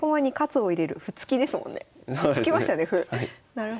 なるほど。